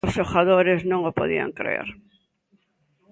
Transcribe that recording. Os xogadores non o podían crer.